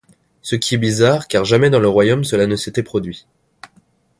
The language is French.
Ce qui est bizarre car jamais dans le royaume cela ne s'était produit.